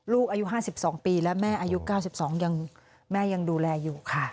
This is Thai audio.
ลูกอายุ๕๒ปีและแม่อายุ๙๒ยังแม่ยังดูแลอยู่ค่ะ